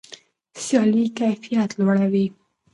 سیالي کیفیت لوړوي.